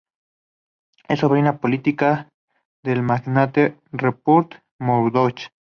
Es sobrina política del magnate Rupert Murdoch.